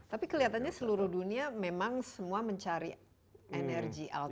tapi kelihatannya seluruh dunia memang semua mencari energi alternatif